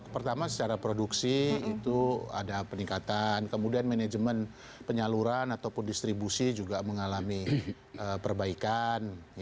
pertama secara produksi itu ada peningkatan kemudian manajemen penyaluran ataupun distribusi juga mengalami perbaikan